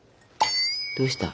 どうした？